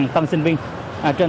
bảy tân sinh viên